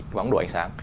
cái bóng đổ ánh sáng